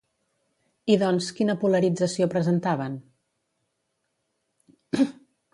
I doncs, quina polarització presentaven?